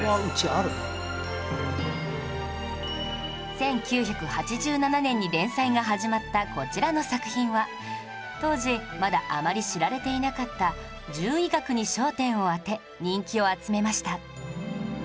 １９８７年に連載が始まったこちらの作品は当時まだあまり知られていなかった獣医学に焦点を当て人気を集めました